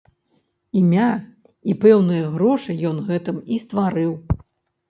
Імя і пэўныя грошы ён гэтым і стварыў.